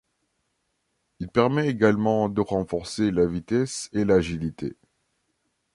Il permet également de renforcer la vitesse et l'agilité.